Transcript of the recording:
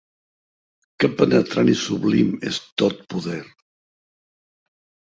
Que penetrant i sublim és ton poder!